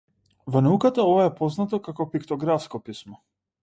Во науката ова е познато како пиктографско писмо.